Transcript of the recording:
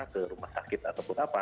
ke rumah sakit ataupun apa